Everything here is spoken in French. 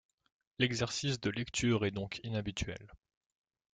L'exercice de lecture est donc inhabituel.